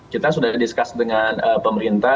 kita sudah discuss dengan pemerintah